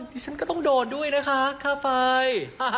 ดิฉันก็ต้องโดนด้วยนะคะค่าไฟ